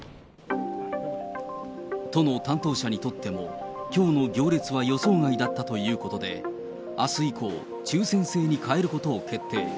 都の担当者にとっても、きょうの行列は予想外だったということで、あす以降、抽せん制に変えることを決定。